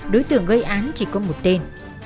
đối tượng gây án chỉ có một tên